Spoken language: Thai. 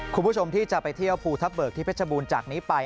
คุณผู้ชมที่จะไปเที่ยวภูทับเบิกที่เพชรบูรณ์จากนี้ไป